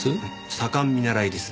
左官見習いです。